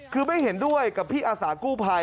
คือไม่เห็นด้วยกับพี่อาสากู้ภัย